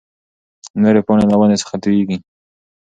نورې پاڼې له ونې څخه تويېږي.